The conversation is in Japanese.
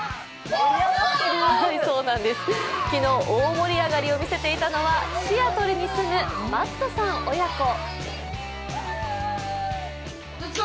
昨日、大盛り上がりを見せていたのはシアトルに住むマットさん親子。